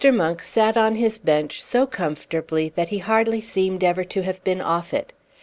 Monk sat on his bench so comfortably that he hardly seemed ever to have been off it.